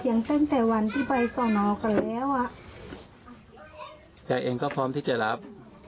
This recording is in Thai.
อย่ายังก็พร้อมที่จะรับ